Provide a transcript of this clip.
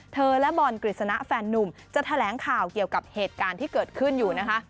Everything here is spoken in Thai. และบอลกฤษณะแฟนนุ่มจะแถลงข่าวเกี่ยวกับเหตุการณ์ที่เกิดขึ้นอยู่นะคะ